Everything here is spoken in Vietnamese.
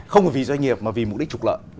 không bởi vì doanh nghiệp mà vì mục đích trục lợi